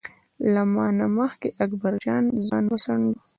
له ما نه مخکې اکبر جان ځان وڅانډه.